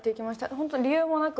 本当に理由もなく。